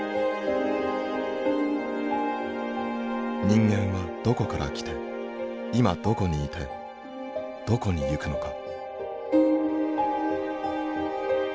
人間はどこから来て今どこにいてどこに行くのか。